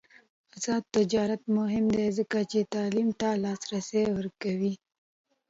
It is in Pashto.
آزاد تجارت مهم دی ځکه چې تعلیم ته لاسرسی ورکوي.